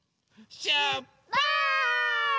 しゅっぱつ！